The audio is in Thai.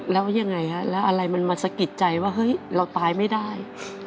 แล้วยังไงฮะแล้วอะไรมันมาสะกิดใจว่าเฮ้ยเราตายไม่ได้